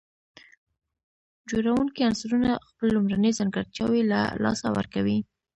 جوړونکي عنصرونه خپل لومړني ځانګړتياوي له لاسه ورکوي.